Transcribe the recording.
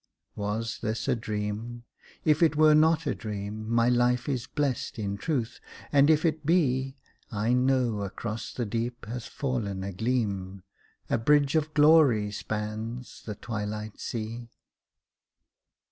Was this a dream? If it were not a dream My life is blest in truth, and if it be, I know across the deep has fallen a gleam, A bridge of glory spans the twilight sea.